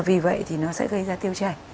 vì vậy thì nó sẽ gây ra tiêu chảy